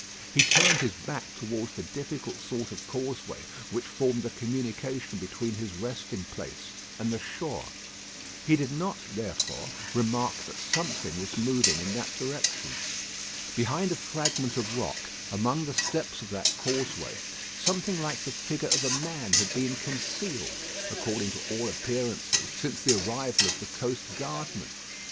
He turned his back towards the difficult sort of causeway which formed the communication between his resting place and the shore. He did not, therefore, remark that something was moving in that direction. Behind a fragment of rock, among the steps of that causeway, something like the figure of a man had been concealed, according to all appearances, since the arrival of the coast guardman.